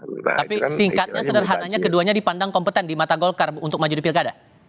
tapi singkatnya sederhananya keduanya dipandang kompeten di mata golkar untuk maju di pilkada